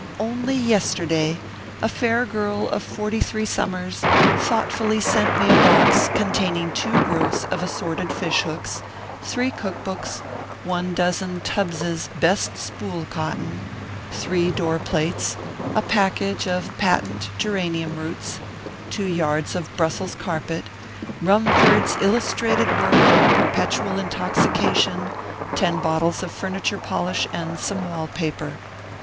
Only yesterday, a fair girl of forty three summers, thoughtfully sent me a box, containing two gross of assorted fish hooks, three cook books, one dozen of Tubbses best spool cotton, three door plates, a package of patent gera nium roots, two yards of Brussels carpet, Kumford s illustrated work on Perpetual Intoxication, ten bottles of furniture polish, and some wall paper.